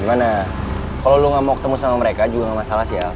gimana kalo lo ga mau ketemu sama mereka juga ga masalah sih ya